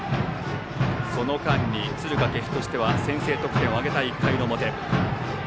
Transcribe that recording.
その間に敦賀気比としては先制得点を挙げたい１回の表。